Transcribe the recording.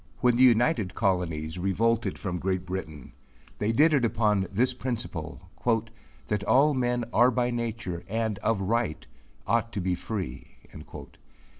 When the united colonies revolted from Great Britain, they did it upon this principle, "that all men are by nature and of right ought to be free."